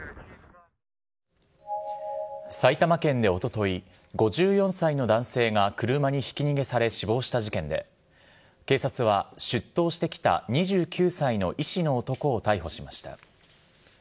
埼玉県でおととい、５４歳の男性が車にひき逃げされ死亡した事件で、警察は、出頭してきた２９歳の医師の男を逮捕しました。